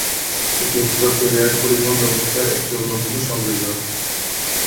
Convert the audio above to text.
এটি উত্তর কোরিয়ার পরিবহন ব্যবস্থার একটি অন্যতম সংযোজন।